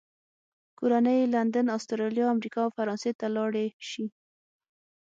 کورنۍ یې لندن، استرالیا، امریکا او فرانسې ته لاړې شي.